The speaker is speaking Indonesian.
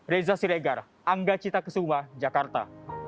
reza siregar angga cita kesuma jakarta